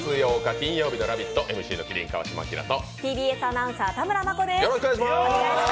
金曜日の「ラヴィット！」、ＭＣの麒麟・川島明とＴＢＳアナウンサー、田村真子です。